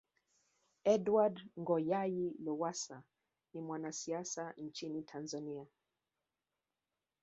Edward Ngoyayi Lowassa ni mwanasiasa nchini Tanzania